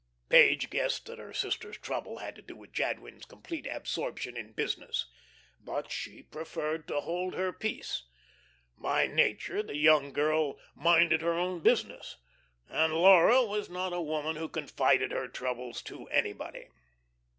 Page guessed that her sister's trouble had to do with Jadwin's complete absorption in business, but she preferred to hold her peace. By nature the young girl "minded her own business," and Laura was not a woman who confided her troubles to anybody.